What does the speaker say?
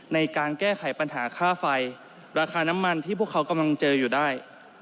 ในการแก้ไขปัญหาค่าไฟราคาน้ำมันที่พวกเขากำลังเจออยู่ได้